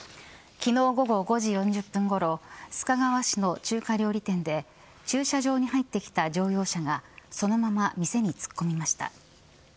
昨日、午後５時４０分ごろ須賀川市の中華料理店で駐車場に入ってきた乗用車がそのまま店に突っ込みました。